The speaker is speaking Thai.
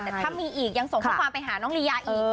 แต่ถ้ามีอีกยังส่งข้อความไปหาน้องลียาอีก